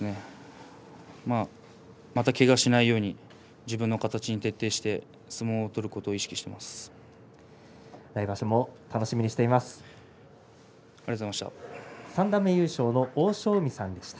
また、けがをしないように自分の形に徹底して来場所も楽しみにしています。